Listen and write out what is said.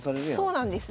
そうなんです。